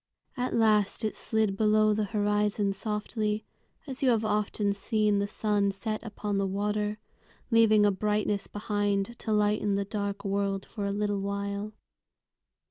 At last it slid below the horizon softly, as you have often seen the sun set upon the water, leaving a brightness behind to lighten the dark world for a little while.